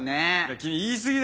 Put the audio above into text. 君言い過ぎだよ。